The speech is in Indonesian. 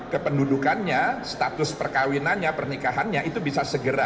kependudukannya status perkawinannya pernikahannya itu bisa segera